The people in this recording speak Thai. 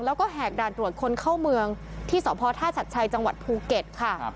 แล้วก็แหกด่านตรวจคนเข้าเมืองที่สพท่าชัดชัยจังหวัดภูเก็ตค่ะ